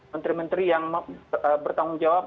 menteri menteri yang bertanggung jawab